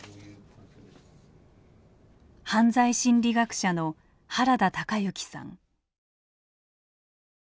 犯罪心理学者の原田隆之さん。